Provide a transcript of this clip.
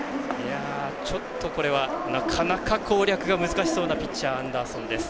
ちょっとこれは、なかなか攻略が難しそうなピッチャー、アンダーソンです。